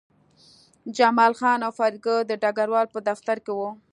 جمال خان او فریدګل د ډګروال په دفتر کې وو